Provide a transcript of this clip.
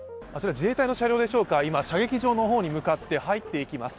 自衛隊の車両でしょうか、射撃場の方に向かって入っていきます。